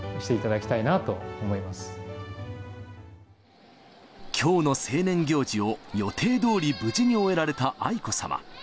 きょうの成年行事を予定どおり無事に終えられた愛子さま。